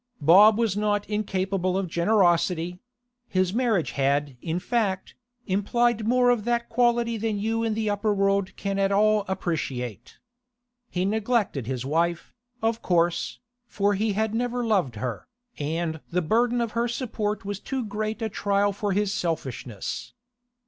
Bob was not incapable of generosity; his marriage had, in fact, implied more of that quality than you in the upper world can at all appreciate. He neglected his wife, of course, for he had never loved her, and the burden of her support was too great a trial for his selfishness.